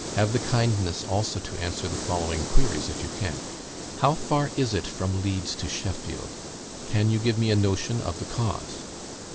Have the kindness also to answer the following queries, if you can. How far is it from Leeds to Sheffield? Can you give me a notion of the cost?